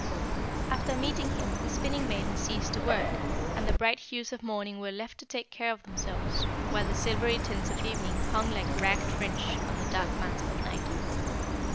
"After meeting him the Spinning maiden ceased to work, and the bright hues of morning were left to take care of themselves, while the silvery tints of evening hung like ragged fringe on the dark mantle of night.